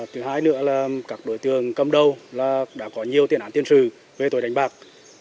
thứ hai nữa là các đối tượng cầm đầu đã có nhiều tiền án tiền sự về tội đánh bạc